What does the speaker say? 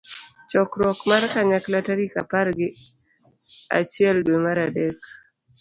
chokruok mar kanyakla tarik apar gi auchiel dwe mar adek